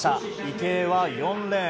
池江は４レーン。